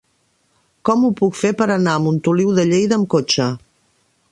Com ho puc fer per anar a Montoliu de Lleida amb cotxe?